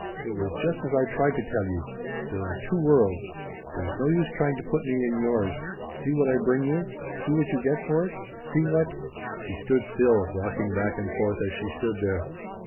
It was just as I tried to tell you. There are two worlds. There's no use trying to put me in yours. See what I bring you! See what you get for it! See what " She stood still, rocking back and forth as she stood there.